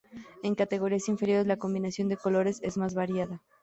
En categorías inferiores, la combinación de colores es más variada.